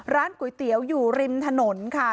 ร้านก๋วยเตี๋ยวอยู่ริมถนนค่ะ